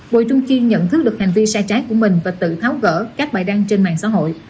bùi trung kiên nhận thức được hành vi sai trái của mình và tự tháo gỡ các bài đăng trên mạng xã hội